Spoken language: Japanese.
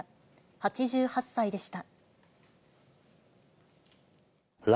８８歳でした。